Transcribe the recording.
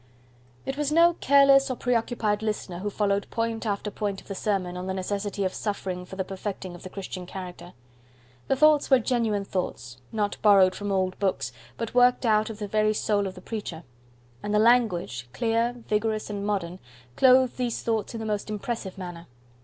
It was no careless or preoccupied listener who followed point after point of the sermon on the necessity of suffering for the perfecting of the Christian character. The thoughts were genuine thoughts, not borrowed from old books, but worked out of the very soul of the preacher; and the language, clear, vigorous, and modern, clothed these thoughts in the most impressive manner.